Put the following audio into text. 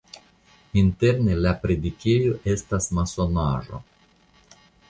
Interne la predikejo estas masonaĵo.